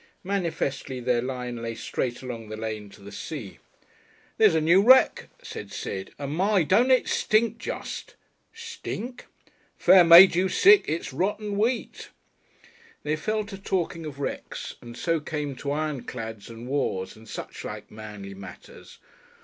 Manifestly their line lay straight along the lane to the sea. "There's a new wreck," said Sid, "and my! don't it smell just!" "Smell?" "Fair make you sick. It's rotten wheat." They fell to talking of wrecks, and so came to ironclads and wars and suchlike manly matters.